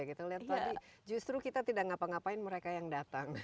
lihat tadi justru kita tidak ngapa ngapain mereka yang datang